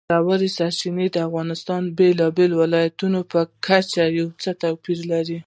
ژورې سرچینې د افغانستان د بېلابېلو ولایاتو په کچه یو څه توپیر لري.